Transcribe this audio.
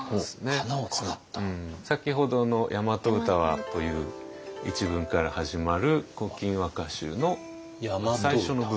先ほどの「やまと歌は」という一文から始まる「古今和歌集」の最初の部分。